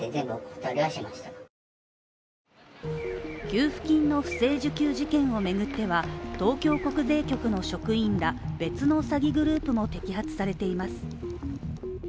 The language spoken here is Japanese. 給付金の不正受給事件を巡っては、東京国税局の職員ら別の詐欺グループも摘発されています。